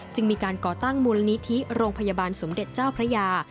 จึงมีการก่อตั้งมูลนิธิโรงพยาบาลสมเด็จเจ้าพระยา